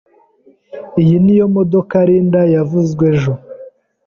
Iyi niyo modoka Linda yavuzwe ejo.